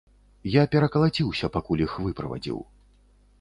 Я перакалаціўся, пакуль іх выправадзіў.